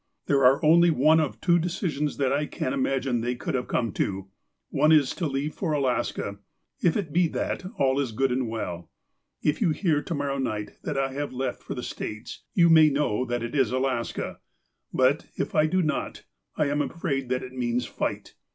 There are only one of two decisions that I can imagine they could have come to. One is, to leave for Alaska. If it be that, all is good and well. If you hear, to morrow night, that I have left for the States, you may know that it is Alaska. But, if I do not, I am afraid that it means fight.